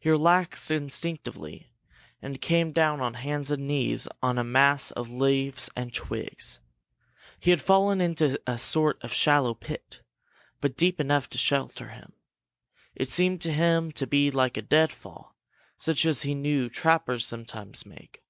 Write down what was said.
He relaxed instinctively, and came down on hands and knees on a mass of leaves and twigs. He had fallen into a sort of shallow pit, but deep enough to shelter him. It seemed to him to be like a deadfall, such as he knew trappers sometimes make.